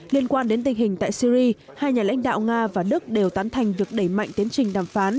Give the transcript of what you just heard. liên quan đến tình hình tại syri hai nhà lãnh đạo nga và đức đều tán thành việc đẩy mạnh tiến trình đàm phán